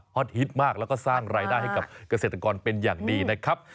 ฮิตมากแล้วก็สร้างรายได้ให้กับเกษตรกรเป็นอย่างดีนะครับ